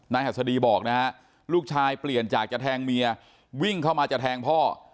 หัสดีบอกนะฮะลูกชายเปลี่ยนจากจะแทงเมียวิ่งเข้ามาจะแทงพ่อ